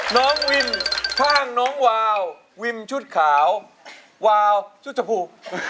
น้องวินข้างน้องวาววิมชุดขาววาวชุดชมพู